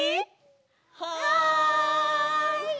はい！